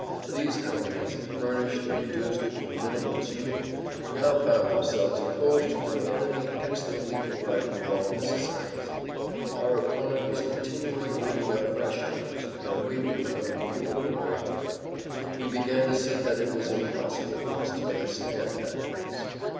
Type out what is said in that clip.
These companies, furnished and reduced to a minimum strength, now found themselves opposed to an enemy excellently provided with all necessaries. Our opponent was continually bringing up fresh troops, and we were becoming fewer every hour. We began to see that it was impossible for us to make a stand at that place.